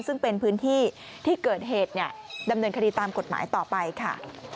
ซึ่งเป็นพื้นที่ที่เกิดเหตุดำเนินคดีตามกฎหมายต่อไปค่ะ